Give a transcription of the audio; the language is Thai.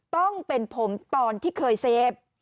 ต้องเป็นผมตอนที่เคยเสพ